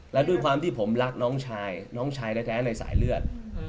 แล้วด้วยความที่ผมรักน้องชายน้องชายแท้ในสายเลือด